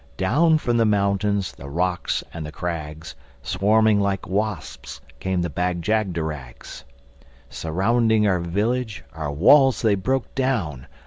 Down from the mountains, the rocks and the crags, Swarming like wasps, came the Bag jagderags. Surrounding our village, our walls they broke down.